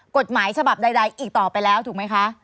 กฎหมายฉบับใดอีกต่อไปแล้วถูกไหมคะ